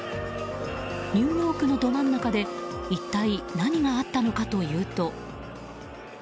ニューヨークのど真ん中で一体何があったのかというと。